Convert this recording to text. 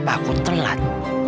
apa aku telat